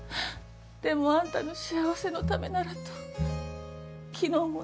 でもあんたの幸せのためならと昨日もね。